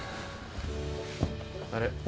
あれ？